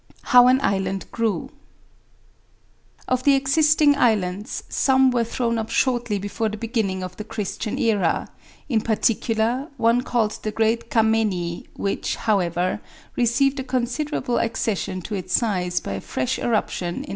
HOW AN ISLAND GREW Of the existing islands, some were thrown up shortly before the beginning of the Christian era; in particular, one called the Great Cammeni, which, however, received a considerable accession to its size by a fresh eruption in A.